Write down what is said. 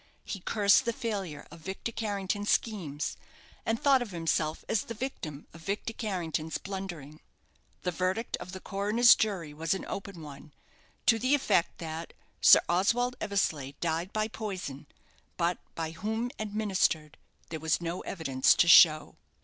He cursed the failure of Victor Carrington's schemes, and thought of himself as the victim of Victor Carrington's blundering. The verdict of the coroner's jury was an open one, to the effect that "Sir Oswald Eversleigh died by poison, but by whom administered there was no evidence to show."